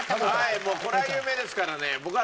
はいもうこれは有名ですからね。